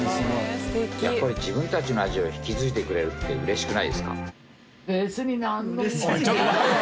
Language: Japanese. やっぱり自分たちの味を引き継いでくれるって嬉しくないですか？